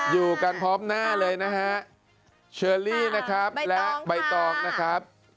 อยู่กันพร้อมหน้าเลยนะฮะเชอรี่นะครับและใบตองนะครับ